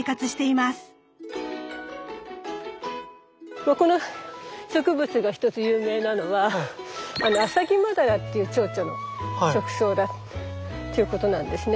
まあこの植物が一つ有名なのはアサギマダラっていうチョウチョウの食草だっていうことなんですね。